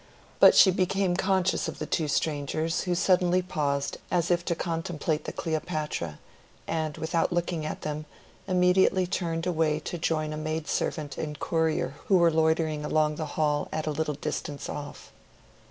But she became conscious of the two strangers who suddenly paused as if to contemplate the Cleopatra, and, without looking at them, immediately turned away to join a maid servant and courier who were loitering along the hall at a little distance off.